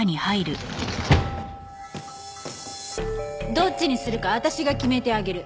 どっちにするか私が決めてあげる。